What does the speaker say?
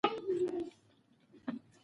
ښځه حق لري چې خاوند سره مرسته وکړي.